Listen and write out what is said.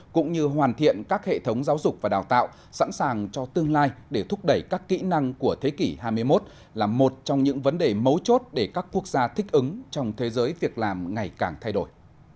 cũng như hoàn thiện các hệ thống giáo dục và đào tạo sẵn sàng cho tương lai để thúc đẩy các kỹ năng của thế kỷ hai mươi một là một trong những vấn đề mấu chốt để các quốc gia thích ứng trong thế giới việc làm ngày càng thay đổi